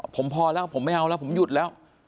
ผมพอแล้วผมไม่เอาแล้วผมหยุดแล้ว